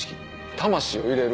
魂を入れる？